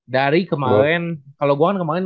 dari kemaren kalau gue kan kemaren